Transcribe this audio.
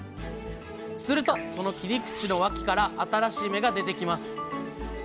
するとその切り口の脇から新しい芽が出てきます。